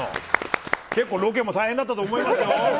結構ロケも大変だったと思いますよ。